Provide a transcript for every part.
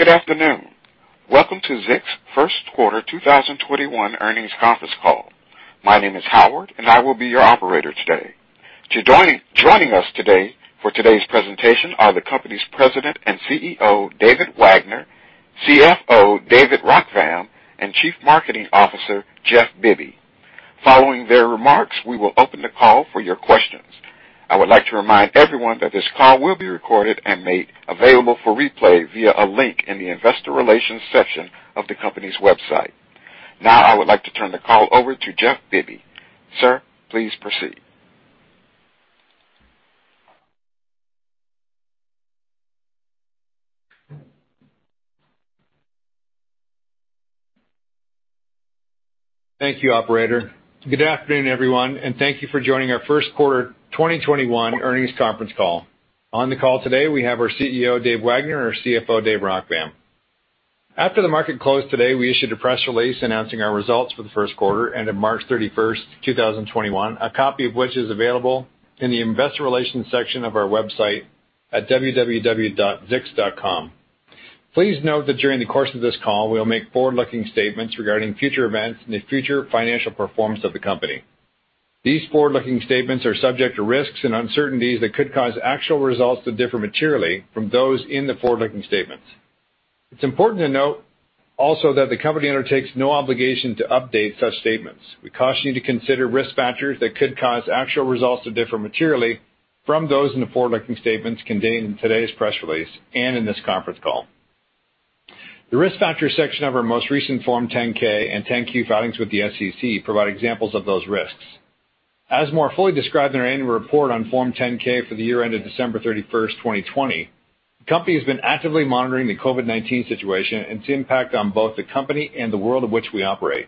Good afternoon. Welcome to Zix Q1 2021 earnings conference call. My name is Howard, and I will be your operator today. Joining us today for today's presentation are the company's President and CEO, David Wagner, CFO, David Rockvam, and Chief Marketing Officer, Geoff Bibby. Following their remarks, we will open the call for your questions. I would like to remind everyone that this call will be recorded and made available for replay via a link in the investor relations section of the company's website. I would like to turn the call over to Geoff Bibby. Sir, please proceed. Thank you, operator. Good afternoon, everyone, and thank you for joining our Q1 2021 earnings conference call. On the call today, we have our CEO, David Wagner, and our CFO, David Rockvam. After the market closed today, we issued a press release announcing our results for the Q1, ended March 31st, 2021, a copy of which is available in the investor relations section of our website at www.zix.com. Please note that during the course of this call, we'll make forward-looking statements regarding future events and the future financial performance of the company. These forward-looking statements are subject to risks and uncertainties that could cause actual results to differ materially from those in the forward-looking statements. It's important to note also that the company undertakes no obligation to update such statements. We caution you to consider risk factors that could cause actual results to differ materially from those in the forward-looking statements contained in today's press release and in this conference call. The Risk Factors section of our most recent Form 10-K and 10-Q filings with the SEC provide examples of those risks. As more fully described in our annual report on Form 10-K for the year ended December 31st, 2020, the company has been actively monitoring the COVID-19 situation and its impact on both the company and the world in which we operate.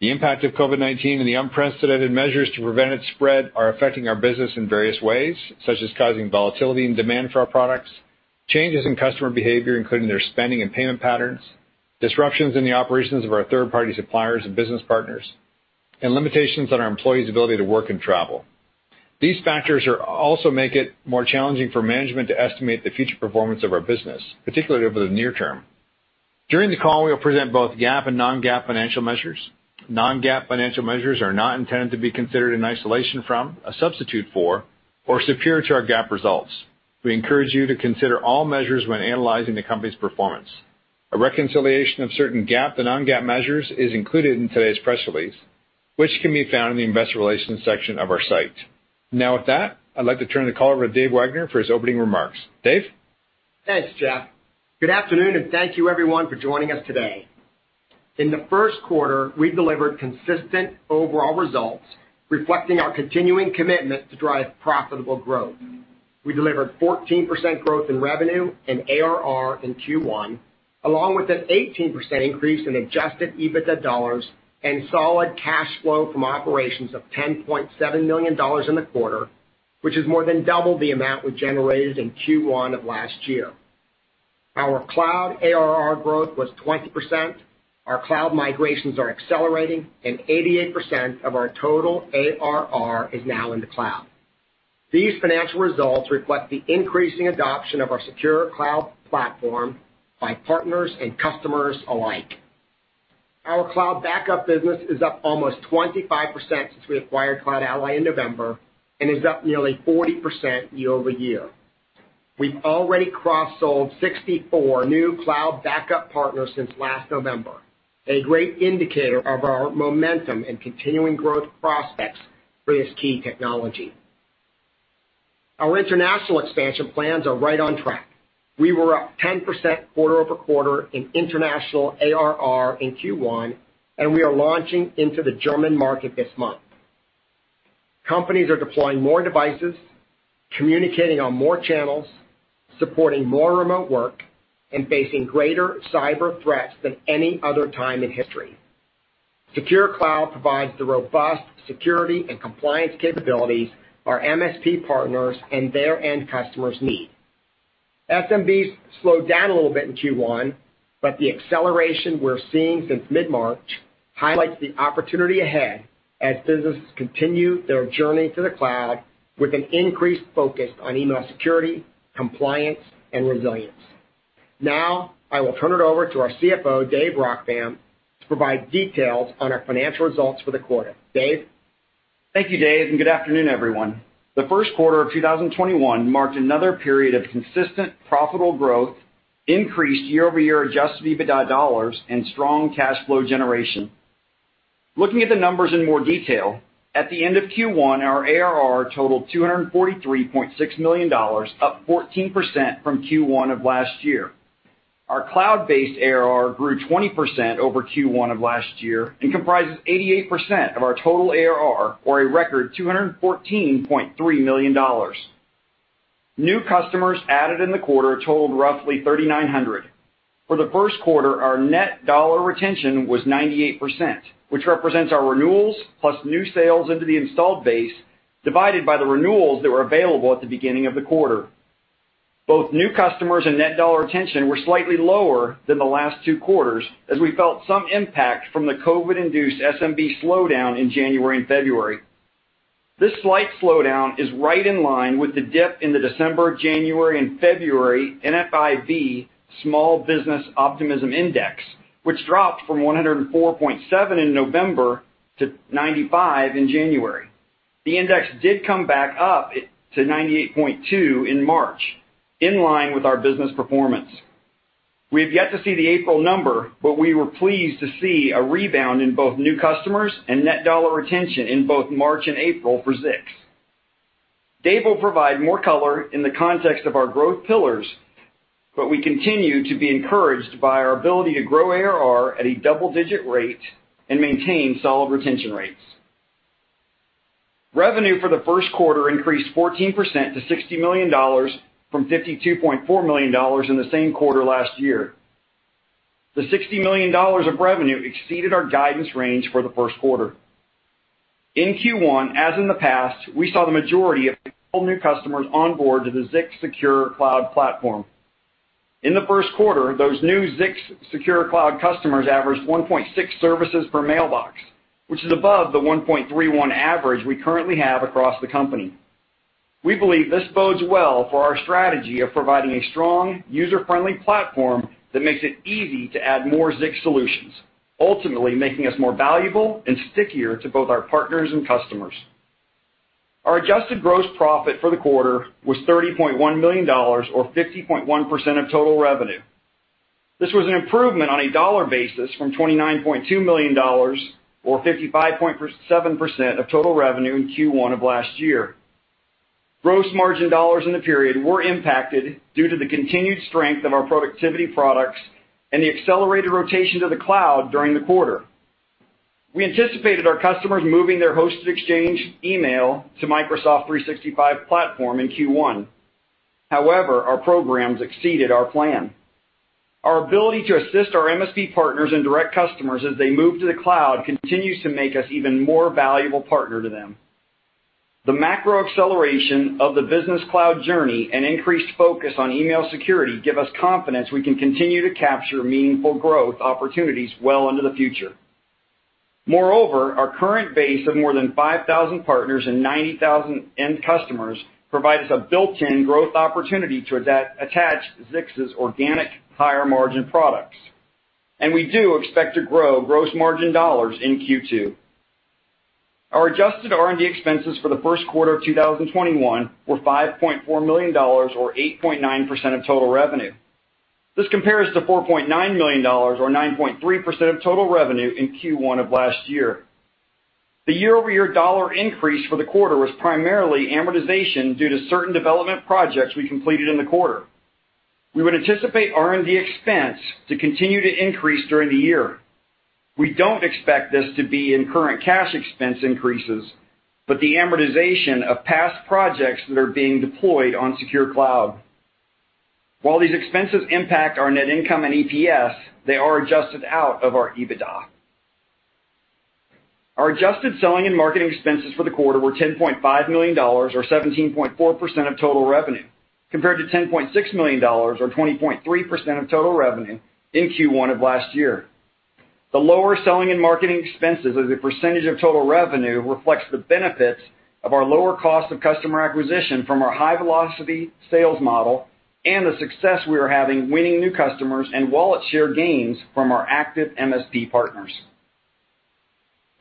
The impact of COVID-19 and the unprecedented measures to prevent its spread are affecting our business in various ways, such as causing volatility in demand for our products, changes in customer behavior, including their spending and payment patterns, disruptions in the operations of our third-party suppliers and business partners, and limitations on our employees' ability to work and travel. These factors also make it more challenging for management to estimate the future performance of our business, particularly over the near term. During the call, we will present both GAAP and non-GAAP financial measures. Non-GAAP financial measures are not intended to be considered in isolation from, a substitute for, or superior to our GAAP results. We encourage you to consider all measures when analyzing the company's performance. A reconciliation of certain GAAP and non-GAAP measures is included in today's press release, which can be found in the investor relations section of our site. With that, I'd like to turn the call over to David Wagner for his opening remarks. David? Thanks, Geoff. Good afternoon, and thank you everyone for joining us today. In the Q1, we delivered consistent overall results reflecting our continuing commitment to drive profitable growth. We delivered 14% growth in revenue and ARR in Q1, along with an 18% increase in adjusted EBITDA dollars and solid cash flow from operations of $10.7 million in the quarter, which is more than double the amount we generated in Q1 of last year. Our cloud ARR growth was 20%, our cloud migrations are accelerating, and 88% of our total ARR is now in the cloud. These financial results reflect the increasing adoption of our Secure Cloud platform by partners and customers alike. Our cloud backup business is up almost 25% since we acquired CloudAlly in November and is up nearly 40% year-over-year. We've already cross-sold 64 new cloud backup partners since last November, a great indicator of our momentum and continuing growth prospects for this key technology. Our international expansion plans are right on track. We were up 10% quarter-over-quarter in international ARR in Q1, and we are launching into the German market this month. Companies are deploying more devices, communicating on more channels, supporting more remote work, and facing greater cyber threats than any other time in history. Secure Cloud provides the robust security and compliance capabilities our MSP partners and their end customers need. SMBs slowed down a little bit in Q1, but the acceleration we're seeing since mid-March highlights the opportunity ahead as businesses continue their journey to the cloud with an increased focus on email security, compliance, and resilience. Now, I will turn it over to our CFO, David Rockvam, to provide details on our financial results for the quarter. David? Thank you, David, and good afternoon, everyone. The Q1 of 2021 marked another period of consistent profitable growth, increased year-over-year adjusted EBITDA dollars, and strong cash flow generation. Looking at the numbers in more detail, at the end of Q1, our ARR totaled $243.6 million, up 14% from Q1 of last year. Our cloud-based ARR grew 20% over Q1 of last year and comprises 88% of our total ARR, or a record $214.3 million. New customers added in the quarter totaled roughly 3,900. For the Q1, our net dollar retention was 98%, which represents our renewals plus new sales into the installed base, divided by the renewals that were available at the beginning of the quarter. Both new customers and net dollar retention were slightly lower than the last two quarters, as we felt some impact from the COVID-19-induced SMB slowdown in January and February. This slight slowdown is right in line with the dip in the December, January, and February NFIB Small Business Optimism Index, which dropped from 104.7 in November to 95 in January. The index did come back up to 98.2 in March, in line with our business performance. We have yet to see the April number, but we were pleased to see a rebound in both new customers and net dollar retention in both March and April for Zix. David will provide more color in the context of our growth pillars, but we continue to be encouraged by our ability to grow ARR at a double-digit rate and maintain solid retention rates. Revenue for the Q1 increased 14% to $60 million from $52.4 million in the same quarter last year. The $60 million of revenue exceeded our guidance range for the Q1. In Q1, as in the past, we saw the majority of all new customers onboard to the Zix Secure Cloud platform. In the Q1, those new Zix Secure Cloud customers averaged 1.6 services per mailbox, which is above the 1.31 average we currently have across the company. We believe this bodes well for our strategy of providing a strong, user-friendly platform that makes it easy to add more Zix solutions, ultimately making us more valuable and stickier to both our partners and customers. Our adjusted gross profit for the quarter was $30.1 million, or 50.1% of total revenue. This was an improvement on a dollar basis from $29.2 million or 55.7% of total revenue in Q1 of last year. Gross margin dollars in the period were impacted due to the continued strength of our productivity products and the accelerated rotation to the cloud during the quarter. We anticipated our customers moving their hosted exchange email to Microsoft 365 platform in Q1. Our programs exceeded our plan. Our ability to assist our MSP partners and direct customers as they move to the cloud continues to make us even more valuable partner to them. The macro acceleration of the business cloud journey and increased focus on email security give us confidence we can continue to capture meaningful growth opportunities well into the future. Our current base of more than 5,000 partners and 90,000 end customers provides a built-in growth opportunity to attach Zix's organic higher margin products. We do expect to grow gross margin dollars in Q2. Our adjusted R&D expenses for the Q1 of 2021 were $5.4 million or 8.9% of total revenue. This compares to $4.9 million or 9.3% of total revenue in Q1 of last year. The year-over-year dollar increase for the quarter was primarily amortization due to certain development projects we completed in the quarter. We would anticipate R&D expense to continue to increase during the year. We don't expect this to be in current cash expense increases, but the amortization of past projects that are being deployed on Secure Cloud. While these expenses impact our net income and EPS, they are adjusted out of our EBITDA. Our adjusted selling and marketing expenses for the quarter were $10.5 million or 17.4% of total revenue, compared to $10.6 million or 20.3% of total revenue in Q1 of last year. The lower selling and marketing expenses as a percentage of total revenue reflects the benefits of our lower cost of customer acquisition from our high velocity sales model and the success we are having winning new customers and wallet share gains from our active MSP partners.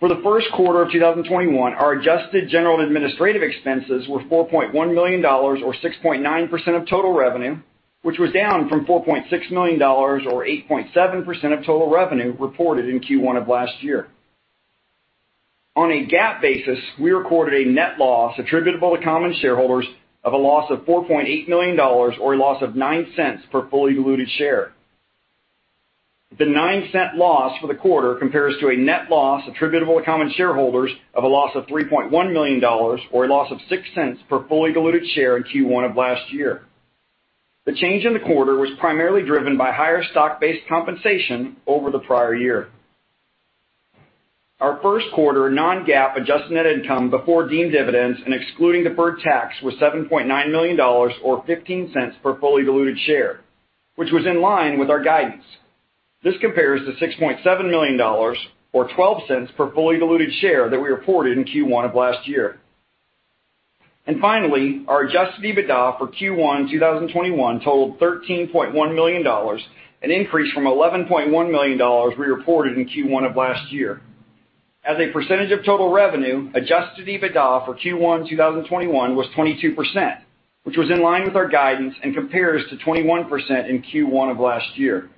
For the Q1 of 2021, our adjusted general administrative expenses were $4.1 million or 6.9% of total revenue, which was down from $4.6 million or 8.7% of total revenue reported in Q1 of last year. On a GAAP basis, We recorded a net loss attributable to common shareholders of a loss of $4.8 million or a loss of $0.09 per fully diluted share. The $0.09 loss for the quarter compares to a net loss attributable to common shareholders of a loss of $3.1 million or a loss of $0.06 per fully diluted share in Q1 of last year. The change in the quarter was primarily driven by higher stock-based compensation over the prior year. Our Q1 non-GAAP adjusted net income before deemed dividends and excluding the deferred tax was $7.9 million or $0.15 per fully diluted share, which was in line with our guidance. This compares to $6.7 million or $0.12 per fully diluted share that we reported in Q1 of last year. Finally, our adjusted EBITDA for Q1 2021 totaled $13.1 million, an increase from $11.1 million we reported in Q1 of last year. As a percentage of total revenue, adjusted EBITDA for Q1 2021 was 22%, which was in line with our guidance and compares to 21% in Q1 of last year.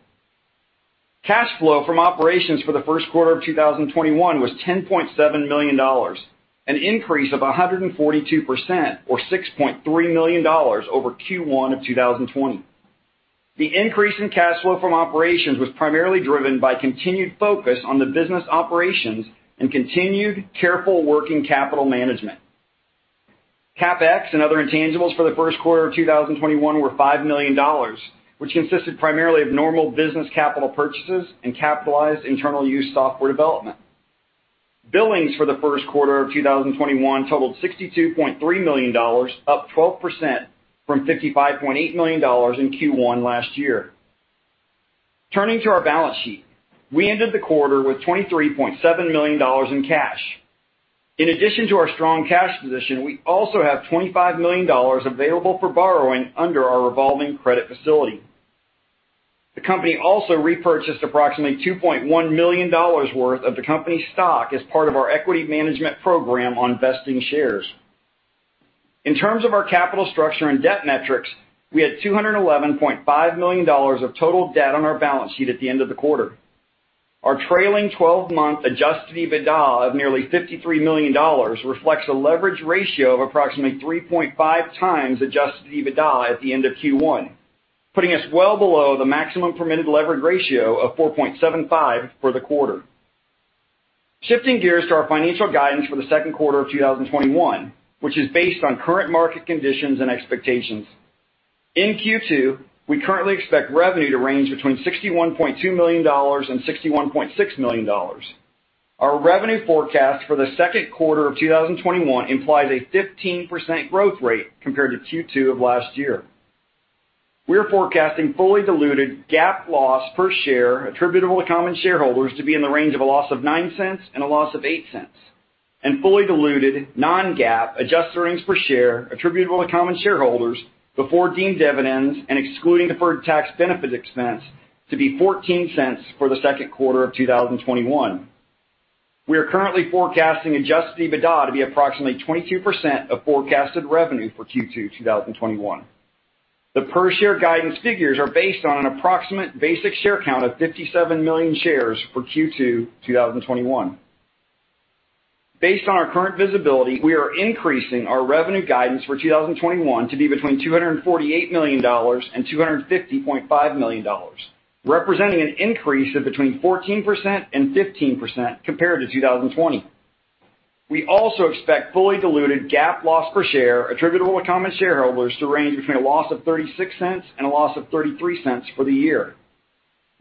Cash flow from operations for the Q1 of 2021 was $10.7 million, an increase of 142% or $6.3 million over Q1 of 2020. CapEx and other intangibles for the Q1 of 2021 were $5 million, which consisted primarily of normal business capital purchases and capitalized internal use software development. Billings for the Q1 of 2021 totaled $62.3 million, up 12% from $55.8 million in Q1 last year. Turning to our balance sheet. We ended the quarter with $23.7 million in cash. In addition to our strong cash position, we also have $25 million available for borrowing under our revolving credit facility. The company also repurchased approximately $2.1 million worth of the company stock as part of our equity management program on vesting shares. In terms of our capital structure and debt metrics, we had $211.5 million of total debt on our balance sheet at the end of the quarter. Our trailing 12-month adjusted EBITDA of nearly $53 million reflects a leverage ratio of approximately 3.5x adjusted EBITDA at the end of Q1, putting us well below the maximum permitted leverage ratio of 4.75 for the quarter. Shifting gears to our financial guidance for the Q2 of 2021, which is based on current market conditions and expectations. In Q2, we currently expect revenue to range between $61.2 million and $61.6 million. Our revenue forecast for the Q2 of 2021 implies a 15% growth rate compared to Q2 of last year. We are forecasting fully diluted GAAP loss per share attributable to common shareholders to be in the range of a loss of $0.09 and a loss of $0.08. Fully diluted non-GAAP adjusted earnings per share attributable to common shareholders before deemed dividends and excluding deferred tax benefit expense to be $0.14 for the Q2 of 2021. We are currently forecasting adjusted EBITDA to be approximately 22% of forecasted revenue for Q2 2021. The per share guidance figures are based on an approximate basic share count of 57 million shares for Q2 2021. Based on our current visibility, we are increasing our revenue guidance for 2021 to be between $248 million and $250.5 million, representing an increase of between 14% and 15% compared to 2020. We also expect fully diluted GAAP loss per share attributable to common shareholders to range between a loss of $0.36 and a loss of $0.33 for the year.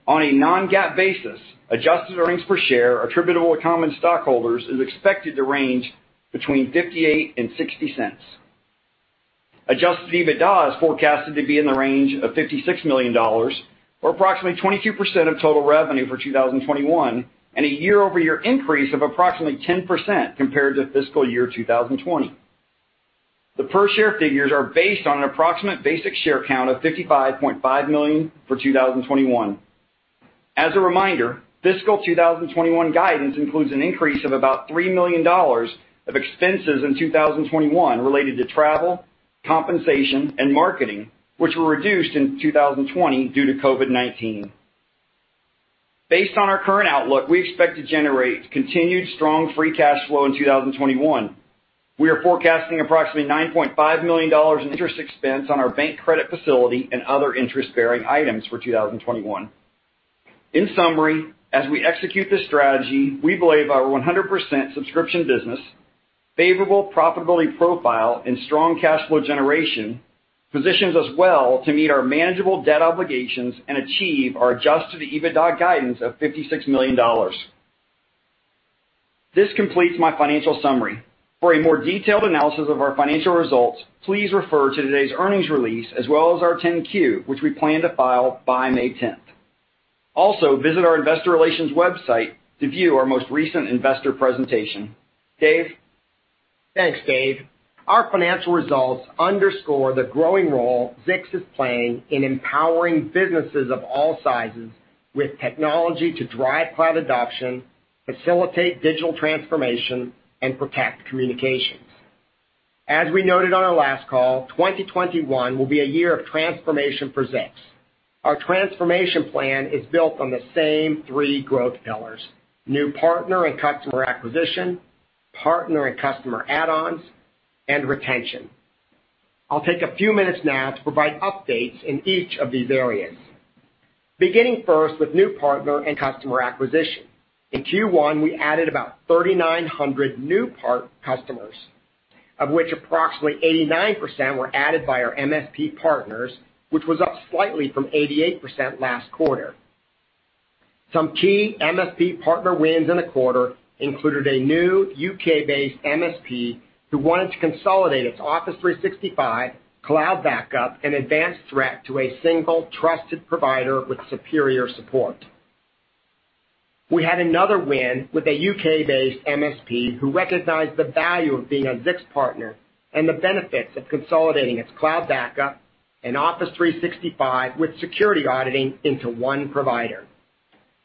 On a non-GAAP basis, adjusted earnings per share attributable to common stockholders is expected to range between $0.58 and $0.60. Adjusted EBITDA is forecasted to be in the range of $56 million, or approximately 22% of total revenue for 2021, and a year-over-year increase of approximately 10% compared to fiscal year 2020. The per share figures are based on an approximate basic share count of 55.5 million for 2021. As a reminder, fiscal 2021 guidance includes an increase of about $3 million of expenses in 2021 related to travel, compensation, and marketing, which were reduced in 2020 due to COVID-19. Based on our current outlook, we expect to generate continued strong free cash flow in 2021. We are forecasting approximately $9.5 million in interest expense on our bank credit facility and other interest-bearing items for 2021. In summary, as we execute this strategy, we believe our 100% subscription business, favorable profitability profile, and strong cash flow generation positions us well to meet our manageable debt obligations and achieve our adjusted EBITDA guidance of $56 million. This completes my financial summary. For a more detailed analysis of our financial results, please refer to today's earnings release as well as our 10-Q, which we plan to file by May 10th. Also, visit our investor relations website to view our most recent investor presentation. David? Thanks, David. Our financial results underscore the growing role Zix is playing in empowering businesses of all sizes with technology to drive cloud adoption, facilitate digital transformation, and protect communications. As we noted on our last call, 2021 will be a year of transformation for Zix. Our transformation plan is built on the same three growth pillars, new partner and customer acquisition, partner and customer add-ons, and retention. I'll take a few minutes now to provide updates in each of these areas. Beginning first with new partner and customer acquisition. In Q1, we added about 3,900 new customers, of which approximately 89% were added by our MSP partners, which was up slightly from 88% last quarter. Some key MSP partner wins in the quarter included a new U.K.-based MSP who wanted to consolidate its Office 365 cloud backup and advanced email encryption to a single trusted provider with superior support. We had another win with a U.K.-based MSP who recognized the value of being a Zix partner and the benefits of consolidating its cloud backup and Office 365 with security auditing into one provider.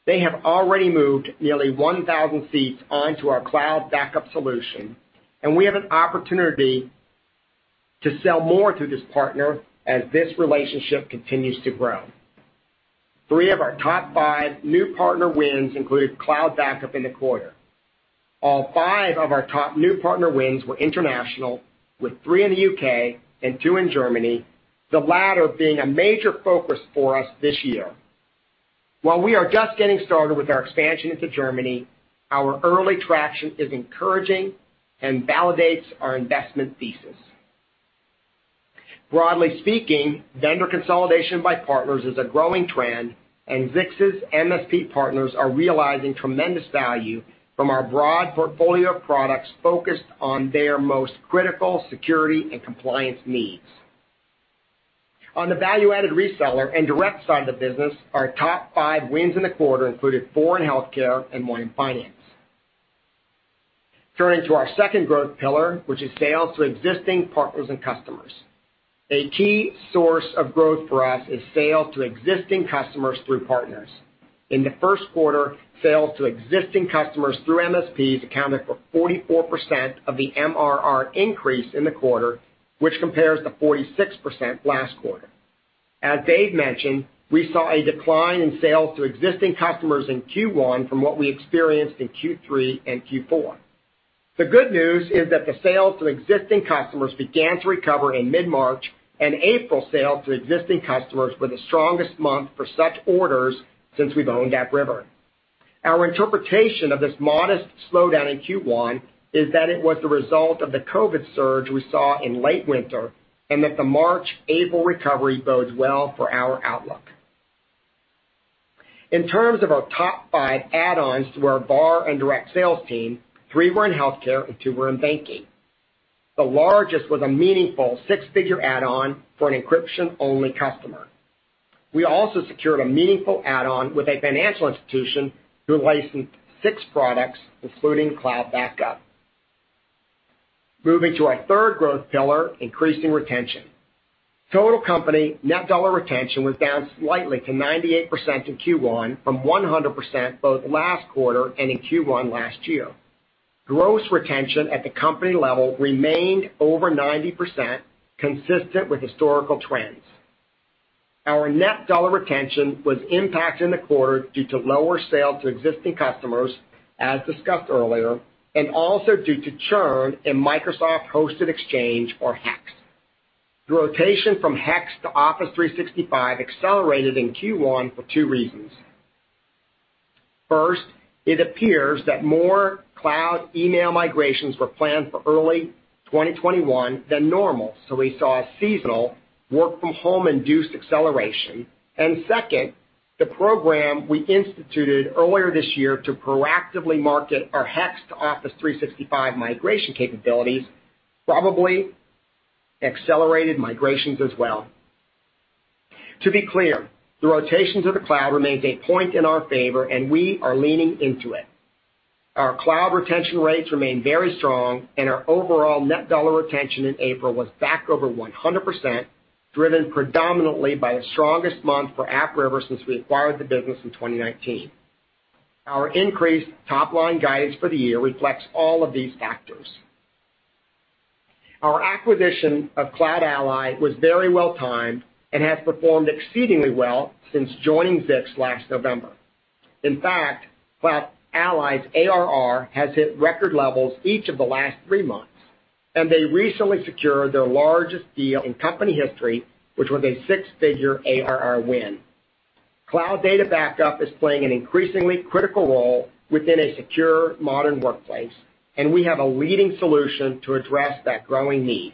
They have already moved nearly 1,000 seats onto our cloud backup solution, and we have an opportunity to sell more to this partner as this relationship continues to grow. Three of our top five new partner wins included cloud backup in the quarter. All five of our top new partner wins were international, with three in the U.K. and two in Germany, the latter being a major focus for us this year. While we are just getting started with our expansion into Germany, our early traction is encouraging and validates our investment thesis. Broadly speaking, vendor consolidation by partners is a growing trend, and Zix's MSP partners are realizing tremendous value from our broad portfolio of products focused on their most critical security and compliance needs. On the value-added reseller and direct side of the business, our top five wins in the quarter included four in healthcare and one in finance. Turning to our second growth pillar, which is sales to existing partners and customers. A key source of growth for us is sales to existing customers through partners. In the Q1, sales to existing customers through MSPs accounted for 44% of the MRR increase in the quarter, which compares to 46% last quarter. As David mentioned, we saw a decline in sales to existing customers in Q1 from what we experienced in Q3 and Q4. The good news is that the sales to existing customers began to recover in mid-March, and April sales to existing customers were the strongest month for such orders since we've owned AppRiver. Our interpretation of this modest slowdown in Q1 is that it was the result of the COVID surge we saw in late winter, and that the March-April recovery bodes well for our outlook. In terms of our top five add-ons to our VAR and direct sales team, three were in healthcare and two were in banking. The largest was a meaningful six-figure add-on for an encryption-only customer. We also secured a meaningful add-on with a financial institution who licensed six products, including cloud backup. Moving to our third growth pillar, increasing retention. Total company net dollar retention was down slightly to 98% in Q1 from 100% both last quarter and in Q1 last year. Gross retention at the company level remained over 90%, consistent with historical trends. Our net dollar retention was impacted in the quarter due to lower sales to existing customers, as discussed earlier, and also due to churn in Microsoft Hosted Exchange, or HEX. The rotation from HEX to Office 365 accelerated in Q1 for two reasons. First, it appears that more cloud email migrations were planned for early 2021 than normal, so we saw a seasonal work-from-home-induced acceleration. Second, the program we instituted earlier this year to proactively market our HEX to Office 365 migration capabilities probably accelerated migrations as well. To be clear, the rotations of the cloud remains a point in our favor, and we are leaning into it. Our cloud retention rates remain very strong, and our overall net dollar retention in April was back over 100%, driven predominantly by the strongest month for AppRiver since we acquired the business in 2019. Our increased top-line guidance for the year reflects all of these factors. Our acquisition of CloudAlly was very well-timed and has performed exceedingly well since joining Zix last November. In fact, CloudAlly's ARR has hit record levels each of the last three months, and they recently secured their largest deal in company history, which was a six-figure ARR win. Cloud data backup is playing an increasingly critical role within a secure modern workplace, and we have a leading solution to address that growing need.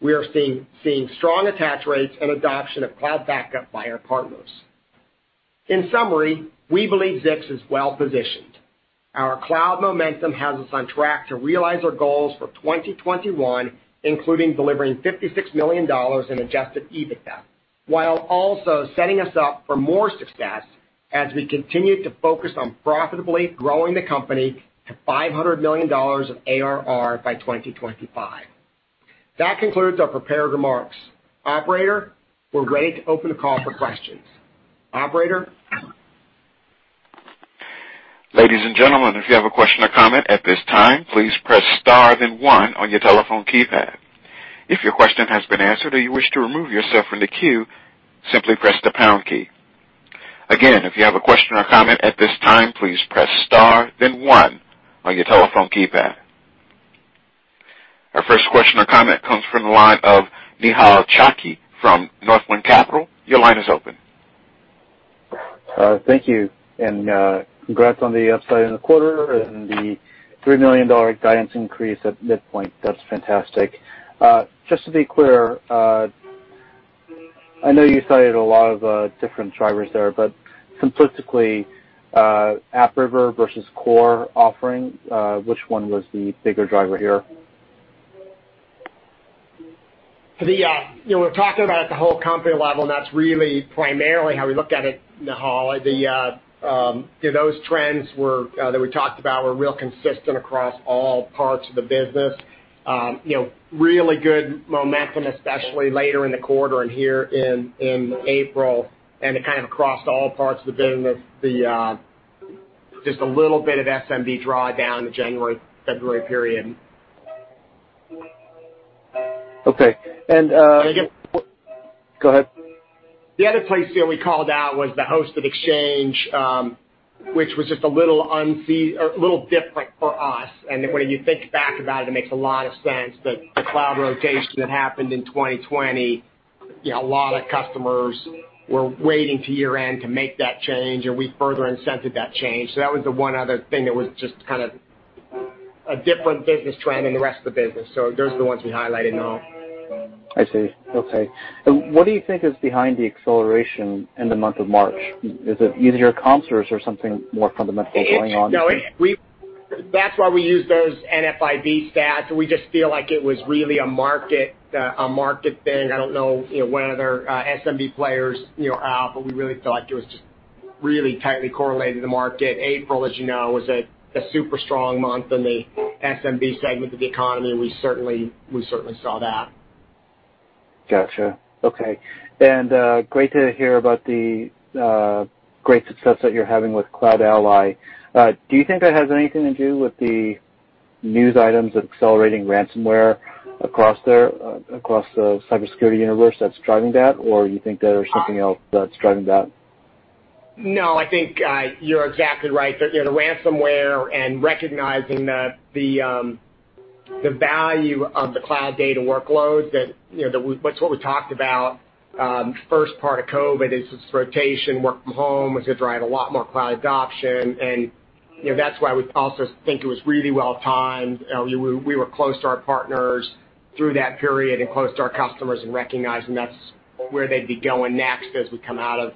We are seeing strong attach rates and adoption of cloud backup by our partners. In summary, we believe Zix is well-positioned. Our cloud momentum has us on track to realize our goals for 2021, including delivering $56 million in adjusted EBITDA, while also setting us up for more success as we continue to focus on profitably growing the company to $500 million of ARR by 2025. That concludes our prepared remarks. Operator, we're ready to open the call for questions. Operator? Our first question or comment comes from the line of Nehal Chokshi from Northland Capital Markets. Your line is open. Thank you. Congrats on the upside in the quarter and the $3 million guidance increase at midpoint. That's fantastic. Just to be clear, I know you cited a lot of different drivers there, but simplistically, AppRiver versus core offerings, which one was the bigger driver here? We're talking about the whole company level. That's really primarily how we look at it, Nehal. Those trends that we talked about were real consistent across all parts of the business. Really good momentum, especially later in the quarter and here in April, kind of across all parts of the business. Just a little bit of SMB drawdown in the January-February period. Okay. I guess, Go ahead. The other place we called out was the hosted exchange, which was just a little different for us. When you think back about it makes a lot of sense that the cloud rotation that happened in 2020, a lot of customers were waiting to year-end to make that change, and we further incented that change. That was the one other thing that was just kind of a different business trend than the rest of the business. Those are the ones we highlighted, Nehal. I see. Okay. What do you think is behind the acceleration in the month of March? Is it either your comps or is there something more fundamental going on? That's why we use those NFIB stats, and we just feel like it was really a market thing. I don't know what other SMB players are out, but we really thought it was just really tightly correlated to the market. April, as you know, was a super strong month in the SMB segment of the economy. We certainly saw that. Got you. Okay. Great to hear about the great success that you're having with CloudAlly. Do you think that has anything to do with the news items of accelerating ransomware across the cybersecurity universe that's driving that? Or you think there is something else that's driving that? No, I think you're exactly right. The ransomware and recognizing the value of the cloud data workloads, that's what we talked about first part of COVID is this rotation, work from home, was gonna drive a lot more cloud adoption. That's why we also think it was really well timed. We were close to our partners through that period and close to our customers and recognizing that's where they'd be going next as we come out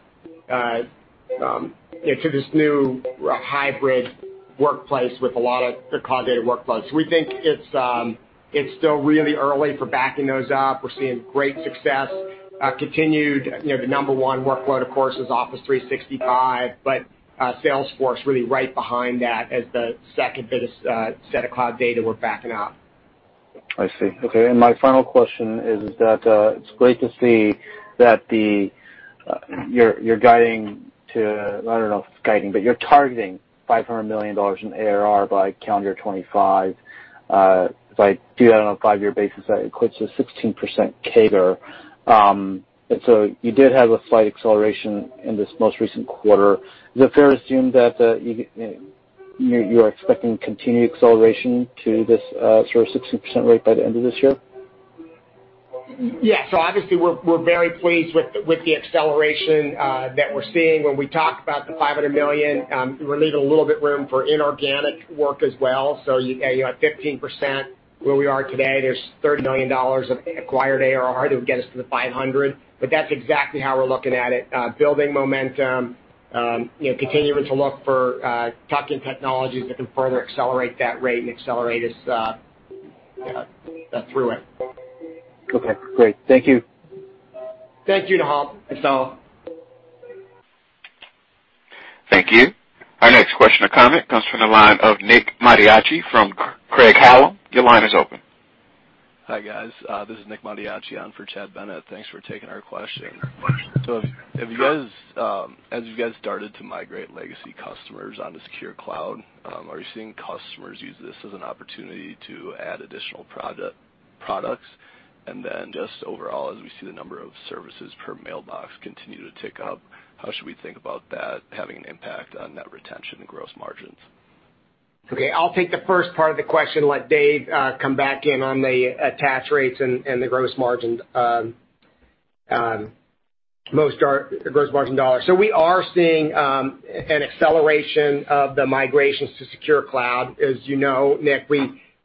into this new hybrid workplace with a lot of the cloud data workloads. We think it's still really early for backing those up. We're seeing great success, continued, the number one workload, of course, is Office 365, but Salesforce really right behind that as the second-biggest set of cloud data we're backing up. I see. Okay. My final question is that it's great to see that you're guiding to, I don't know if it's guiding, but you're targeting $500 million in ARR by calendar 2025. If I do that on a five-year basis, that equates to 16% CAGR. You did have a slight acceleration in this most recent quarter. Is it fair to assume that you are expecting continued acceleration to this sort of 16% rate by the end of this year? Obviously, we're very pleased with the acceleration that we're seeing. When we talk about the $500 million, we're leaving a little bit room for inorganic work as well. You have 15% where we are today, there's $30 million of acquired ARR that would get us to the $500. That's exactly how we're looking at it, building momentum, continuing to look for tuck-in technologies that can further accelerate that rate and accelerate us through it. Okay, great. Thank you. Thank you, Nehal Chokshi. That's all. Thank you. Our next question or comment comes from the line of Nick Mattiacci from Craig-Hallum. Your line is open. Hi, guys. This is Nick Mattiacci on for Chad Bennett. Thanks for taking our question. As you guys started to migrate legacy customers onto Secure Cloud, are you seeing customers use this as an opportunity to add additional products? Just overall, as we see the number of services per mailbox continue to tick up, how should we think about that having an impact on net retention and gross margins? Okay, I'll take the first part of the question, let David come back in on the attach rates and the gross margin dollars. We are seeing an acceleration of the migrations to Secure Cloud. As you know, Nick,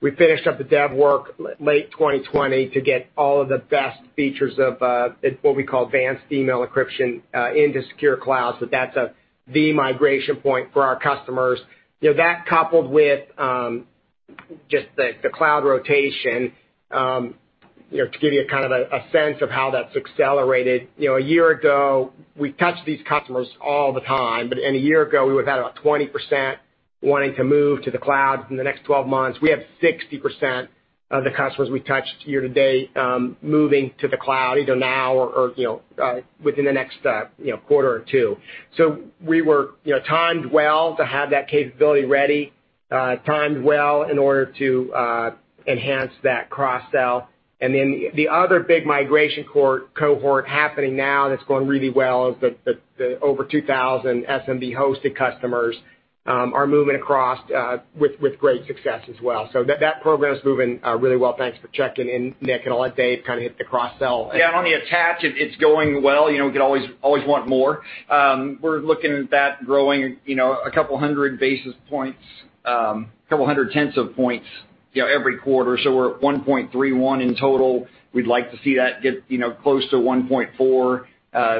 we finished up the dev work late 2020 to get all of the best features of what we call advanced email encryption into Secure Cloud. That's the migration point for our customers. That coupled with just the cloud rotation, to give you a sense of how that's accelerated, a year ago, we touched these customers all the time, but in a year ago, we would have had about 20% wanting to move to the cloud in the next 12 months. We have 60% of the customers we touched year to date, moving to the cloud, either now or within the next quarter or two. We were timed well to have that capability ready, timed well in order to enhance that cross-sell. The other big migration cohort happening now, that's going really well, is the over 2,000 SMB hosted customers are moving across with great success as well. That program is moving really well. Thanks for checking in, Nick, and I'll let David kind of hit the cross-sell. Yeah, on the attach, it's going well. We could always want more. We're looking at that growing 200 basis points, 200 tenths of points every quarter. We're at 1.31 in total. We'd like to see that get close to 1.4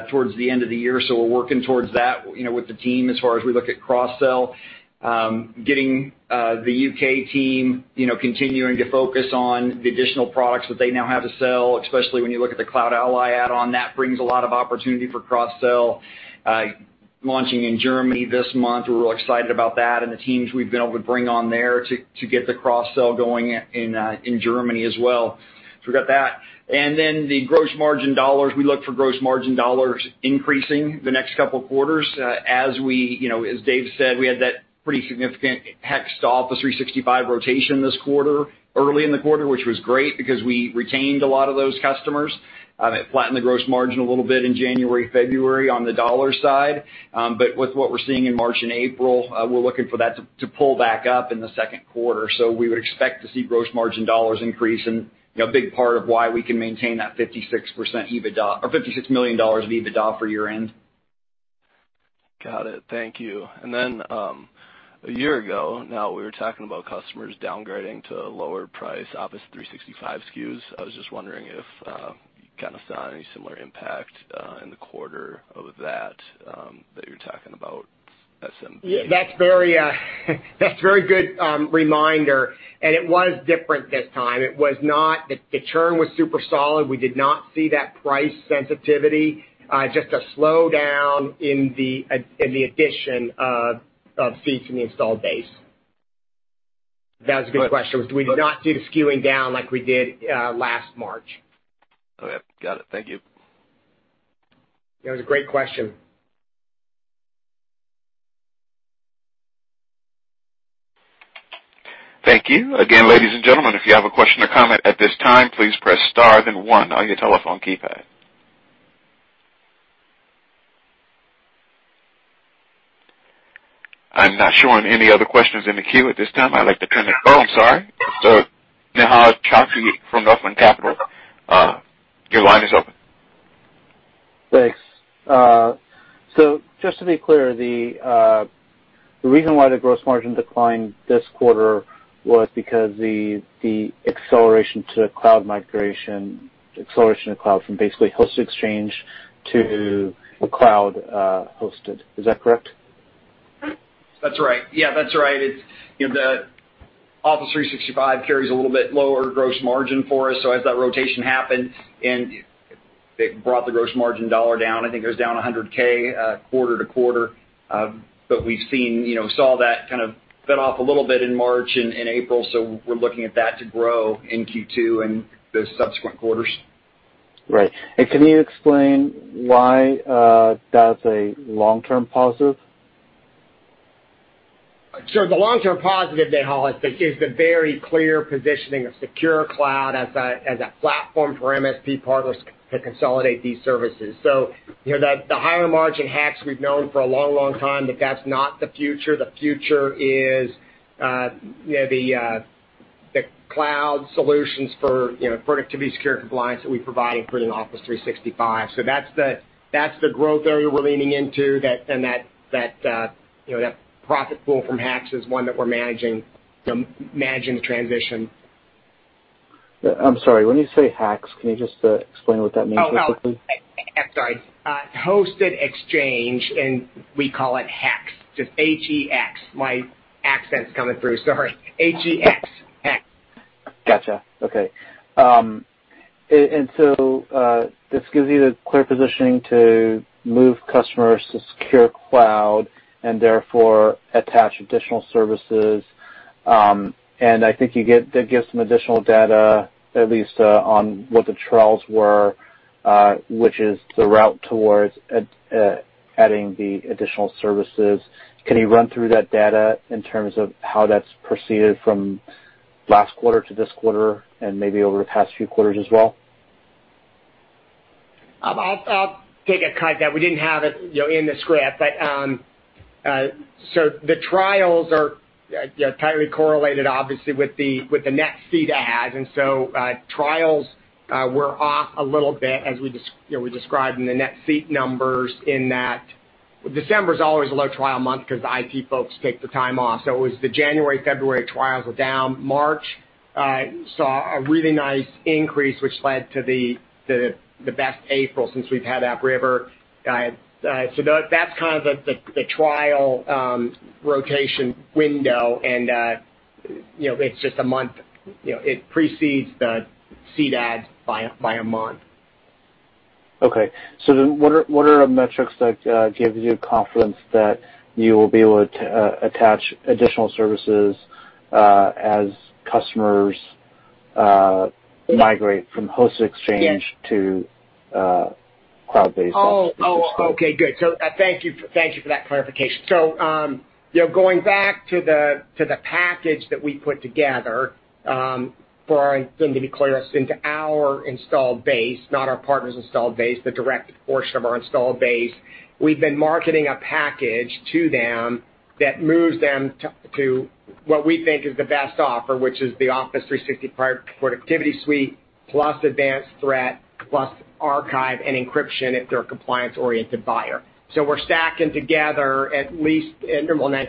towards the end of the year, we're working towards that with the team as far as we look at cross-sell. Getting the U.K. team continuing to focus on the additional products that they now have to sell, especially when you look at the CloudAlly add-on, that brings a lot of opportunity for cross-sell. Launching in Germany this month, we're real excited about that and the teams we've been able to bring on there to get the cross-sell going in Germany as well. We've got that. The gross margin dollars, we look for gross margin dollars increasing the next couple of quarters. As David said, we had that pretty significant HEX to Office 365 rotation this quarter, early in the quarter, which was great because we retained a lot of those customers. It flattened the gross margin a little bit in January, February on the dollar side. With what we're seeing in March and April, we're looking for that to pull back up in the Q2. We would expect to see gross margin dollars increase and a big part of why we can maintain that $56 million of EBITDA for year-end. Got it. Thank you. A year ago now, we were talking about customers downgrading to lower price Office 365 SKUs. I was just wondering if kind of saw any similar impact in the quarter of that you're talking about. That's a very good reminder. It was different this time. The churn was super solid. We did not see that price sensitivity, just a slowdown in the addition of seats in the installed base. That was a good question. We did not do the SKUing down like we did last March. Okay, got it. Thank you. That was a great question. Thank you. Again, ladies and gentlemen, if you have a question or comment at this time, please press star then one on your telephone keypad. I'm not showing any other questions in the queue at this time. Oh, I'm sorry. Nehal Chokshi from Northland Capital Markets, your line is open. Thanks. Just to be clear, the reason why the gross margin declined this quarter was because the acceleration to cloud migration from basically hosted exchange to cloud hosted, is that correct? That's right. Yeah, that's right. The Office 365 carries a little bit lower gross margin for us. As that rotation happened, and it brought the gross margin dollar down, I think it was down $100K quarter-to-quarter. We saw that kind of fed off a little bit in March and April, so we're looking at that to grow in Q2 and the subsequent quarters. Right. Can you explain why that's a long-term positive? Sure. The long-term positive, Nehal, is the very clear positioning of Secure Cloud as a platform for MSP partners to consolidate these services. The higher-margin HEX we've known for a long time, but that's not the future. The future is the cloud solutions for productivity, security, compliance that we provide including Office 365. That's the growth area we're leaning into. That profit pool from HEX is one that we're managing to transition. I'm sorry. When you say HEX, can you just explain what that means quickly? Oh, no. I'm sorry. Hosted exchange, and we call it HEX. Just H-E-X. My accent's coming through, sorry. H-E-X. HEX. Got you. Okay. This gives you the clear positioning to move customers to Secure Cloud and therefore attach additional services. I think that gives some additional data, at least, on what the trials were, which is the route towards adding the additional services. Can you run through that data in terms of how that's proceeded from last quarter to this quarter and maybe over the past few quarters as well? I'll take a cut at that. We didn't have it in the script. The trials are tightly correlated, obviously, with the net seat adds. Trials were off a little bit as we described in the net seat numbers in that December's always a low trial month because IT folks take the time off. It was the January, February trials were down. March saw a really nice increase, which led to the best April since we've had AppRiver. That's kind of the trial rotation window, and it's just a month. It precedes the seat adds by a month. Okay. What are the metrics that give you confidence that you will be able to attach additional services as customers migrate from hosted exchange to cloud-based Office 365? Oh, okay, good. Thank you for that clarification. Going back to the package that we put together for our and to be clear, our installed base, not our partners' installed base, the direct portion of our installed base. We've been marketing a package to them that moves them to what we think is the best offer, which is the Office 365 productivity suite, plus advanced threat, plus archive and encryption if they're a compliance-oriented buyer, and then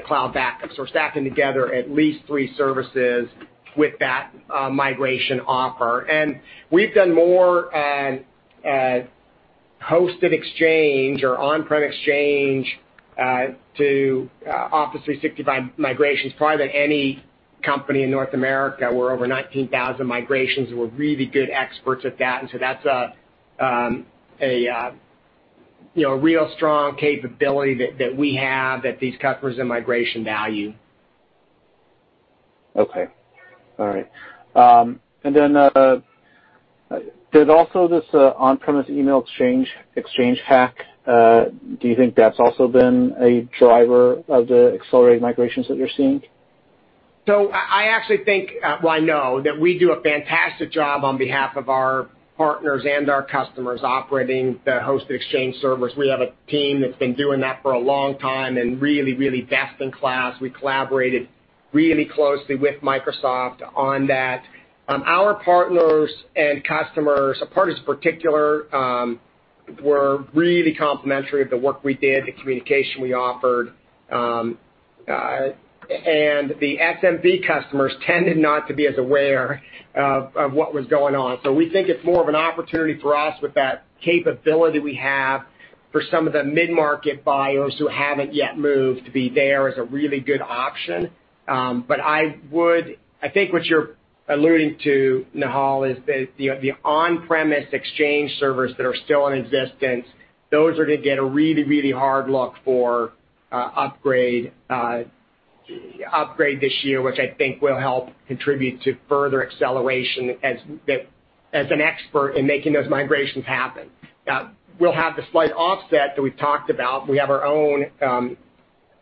cloud backups. We're stacking together at least three services with that migration offer. We've done more hosted exchange or on-premises exchange to Office 365 migrations, probably than any company in North America. We're over 19,000 migrations, and we're really good experts at that. That's a real strong capability that we have that these customers and migration value. Okay. All right. Then there's also this on-premise email exchange, Exchange HEX. Do you think that's also been a driver of the accelerated migrations that you're seeing? I actually think, well, I know that we do a fantastic job on behalf of our partners and our customers operating the hosted Exchange servers. We have a team that's been doing that for a long time and really best in class. We collaborated really closely with Microsoft on that. Our partners and customers, our partners in particular, were really complimentary of the work we did, the communication we offered. The SMB customers tended not to be as aware of what was going on. We think it's more of an opportunity for us with that capability we have for some of the mid-market buyers who haven't yet moved to be there as a really good option. I think what you're alluding to, Nehal, is that the on-premise Exchange servers that are still in existence, those are going to get a really hard look for upgrade this year, which I think will help contribute to further acceleration as an expert in making those migrations happen. We'll have the slight offset that we've talked about. We have our own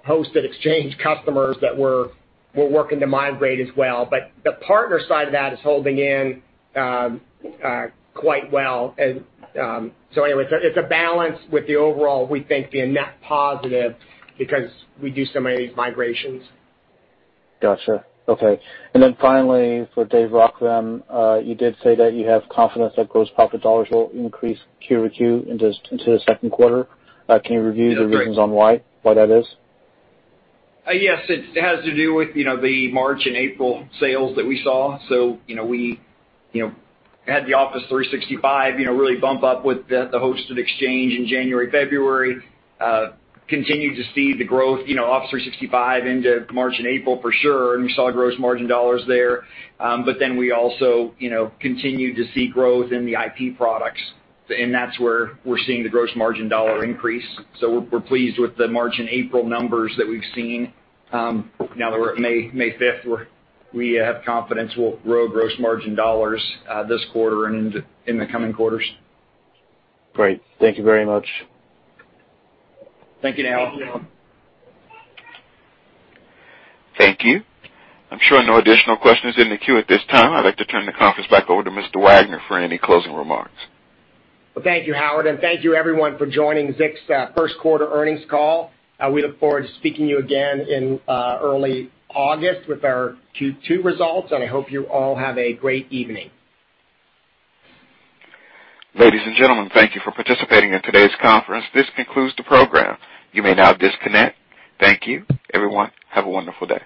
hosted Exchange customers that we're working to migrate as well. The partner side of that is holding in quite well. Anyway, it's a balance with the overall, we think, being net positive because we do so many of these migrations. Got you. Okay. Finally, for David Rockvam, you did say that you have confidence that gross profit dollars will increase QoQ into the Q2. That's right. Can you review the reasons on why that is? It has to do with the March and April sales that we saw. We had the Office 365 really bump up with the hosted Exchange in January, February, continued to see the growth, Office 365 into March and April for sure, and we saw gross margin dollars there. We also continued to see growth in the IP products, and that's where we're seeing the gross margin dollar increase. We're pleased with the March and April numbers that we've seen. Now that we're at May 5th, we have confidence we'll grow gross margin dollars this quarter and in the coming quarters. Great. Thank you very much. Thank you, Nehal Chokshi. Thank you. I'm showing no additional questions in the queue at this time. I'd like to turn the conference back over to Mr. Wagner for any closing remarks. Well, thank you, Howard, and thank you everyone for joining Zix Q1 earnings call. We look forward to speaking to you again in early August with our Q2 results. I hope you all have a great evening. Ladies and gentlemen, thank you for participating in today's conference. This concludes the program. You may now disconnect. Thank you, everyone. Have a wonderful day.